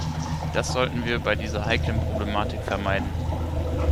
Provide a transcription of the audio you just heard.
Das sollten wir bei dieser heiklen Problematik vermeiden.